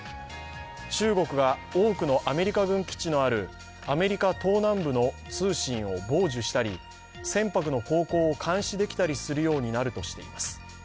中国が多くのアメリカ軍基地のあるアメリカ東南部の通信を傍受したり船舶の航行を監視できたりするようになるとしています。